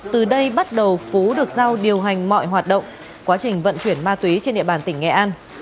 từ đây bắt đầu phú được giao điều hành mọi hoạt động quá trình vận chuyển ma túy trên địa bàn tỉnh nghệ an